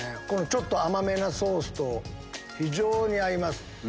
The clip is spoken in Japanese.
ちょっと甘めなソースと非常に合います。